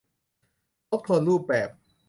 ทบทวนรูปแบบ